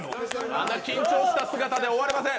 あの緊張した姿では終われません。